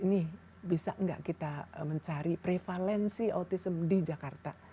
ini bisa nggak kita mencari prevalensi autism di jakarta